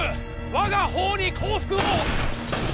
我が方に降伏を。